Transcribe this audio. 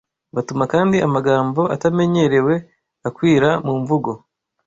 Butuma kandi amagambo atamenyerewe akwira mu mvugo